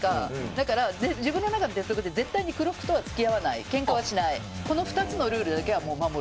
だから自分の中の鉄則で黒服とは付き合わない、ケンカをしないこの２つのルールだけは守る。